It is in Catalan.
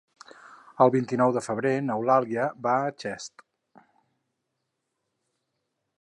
El vint-i-nou de febrer n'Eulàlia va a Xest.